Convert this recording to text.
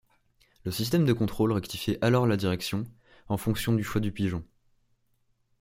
Le système de contrôle rectifiait alors la direction en fonction du choix du pigeon.